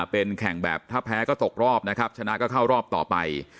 เป็นแข่งแบบถ้าแพ้ก็ตกรอบนะครับชนะก็เข้ารอบต่อไป